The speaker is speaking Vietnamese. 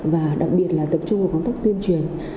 và đặc biệt là tập trung vào công tác tuyên truyền